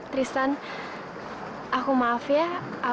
traginda ini siapa